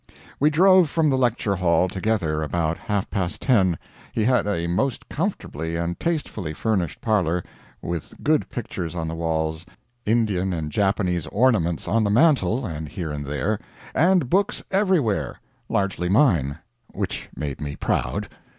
We drove from the lecture hall together about half past ten. He had a most comfortably and tastefully furnished parlor, with good pictures on the walls, Indian and Japanese ornaments on the mantel, and here and there, and books everywhere largely mine; which made me proud.